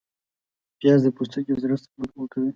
پیاز د پوستکي زړښت ورو کوي